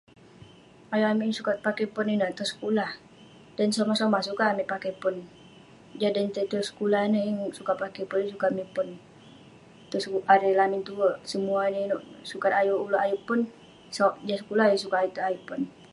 Ayuk amik yeng sukat pakey pon ineh, tong sekulah. Dan somah somah, sukat amik pakey pon. Jah dan tai tong sekulah ineh, yeng sukat pakey pon yeng sukat min pon.